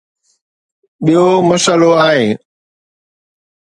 ٻيو مسئلو آهي.